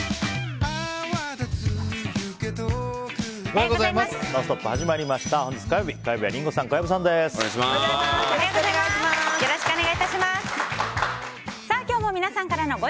おはようございます。